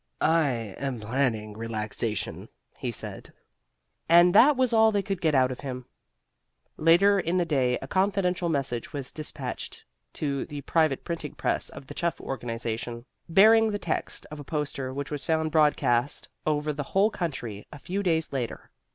"I am planning relaxation," he said, and that was all they could get out of him. Later in the day a confidential messenger was dispatched to the private printing press of the Chuff Organization, bearing the text of a poster which was found broadcast over the whole country a few days later.